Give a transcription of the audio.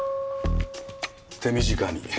手短に。